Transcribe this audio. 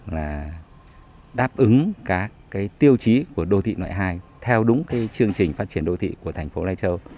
là đáp ứng các tiêu chí của đô thị loại hai theo đúng cái chương trình phát triển đô thị của thành phố lai châu